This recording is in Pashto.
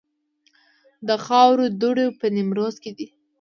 د خاورو دوړې په نیمروز کې دي